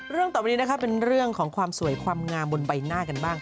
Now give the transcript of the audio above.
ต่อไปนี้นะคะเป็นเรื่องของความสวยความงามบนใบหน้ากันบ้าง